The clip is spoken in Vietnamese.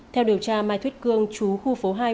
theo điều tra mai thuyết cương chú khu phố hai